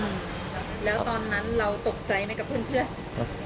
อืมแล้วตอนนั้นเราตกใจไหมกับเพื่อน